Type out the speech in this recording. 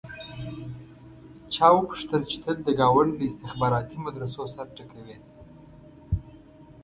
چا وپوښتل چې تل د ګاونډ له استخباراتي مدرسو سر ټکوې.